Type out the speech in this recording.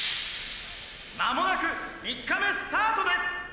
「まもなく３日目スタートです」。